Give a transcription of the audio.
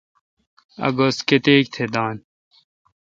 اک گز کتیک تہ دان